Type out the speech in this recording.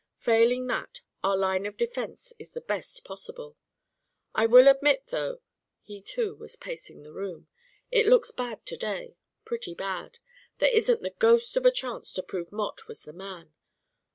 Failing that, our line of defence is the best possible. I will admit, though," he too was pacing the room, "it looks bad to day, pretty bad. There isn't the ghost of a chance to prove Mott was the man.